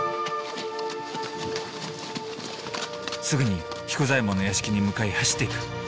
すぐに彦左衛門の屋敷に向かい走っていく。